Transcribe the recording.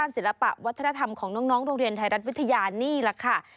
ศิลปะวัฒนธรรมของน้องโรงเรียนไทยรัฐวิทยานี่แหละค่ะ